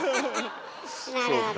なるほど。